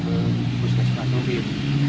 terus kesempatan hubungan